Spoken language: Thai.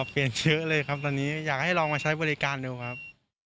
ก็เอามาใช้บริการดูครับ